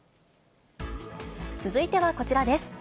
続いてはこちらです。